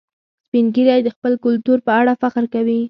سپین ږیری د خپل کلتور په اړه فخر کوي